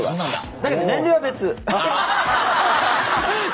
だけど年齢は別。